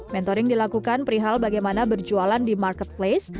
mentoring dilakukan perihal bagaimana berjualan di marketplace